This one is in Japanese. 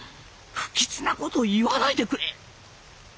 不吉なことを言わないでくれ。